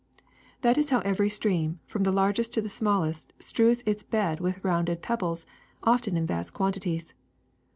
^^ That is how every stream, from the largest to the smallest, strews its bed with rounded pebbles, often in vast quantities.